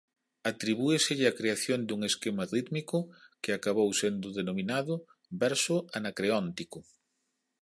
Atribúeselle a creación dun esquema rítmico que acabou sendo denominado «verso anacreóntico».